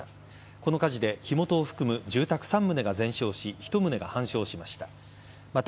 この火事で火元を含む住宅３棟が全焼し１棟が半焼しました。